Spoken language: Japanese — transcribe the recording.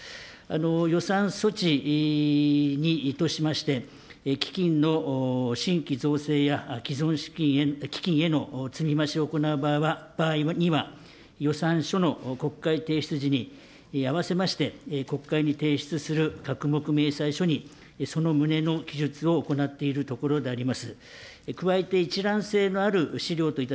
予算措置としまして、基金の新規造成や既存基金への積み増しを行う場合には、予算書の国会提出時にあわせまして、国会に提出する各目明細書にその旨の記述を行っているところであります。